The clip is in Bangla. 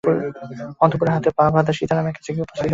অন্তঃপুরের দ্বারে হাত পা বাঁধা সীতারামের কাছে গিয়া উপস্থিত হইলেন।